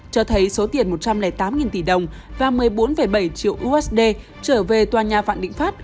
cho thấy số tiền một trăm linh tám tỷ đồng và một mươi bốn bảy triệu usd trở về tòa nhà vạn định pháp